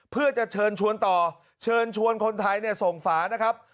เพื่อจะเชิญชวนต่อเชิญชวนคนไทยส่งฝานะครับ